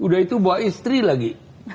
udah itu bawa istri lagi